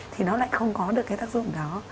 thì nó lại không có được cái tác dụng đó